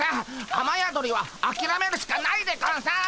あまやどりはあきらめるしかないでゴンス！